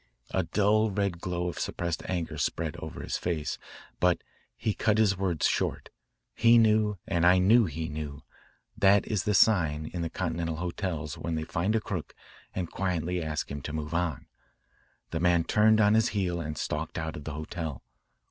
A dull red glow of suppressed anger spread over his face, but he cut his words short. He knew and I knew he knew. That is the sign in the continental hotels when they find a crook and quietly ask him to move on. The man turned on his heel and stalked out of the hotel.